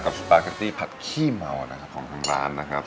สปาเกตตี้ผัดขี้เมานะครับของทางร้านนะครับ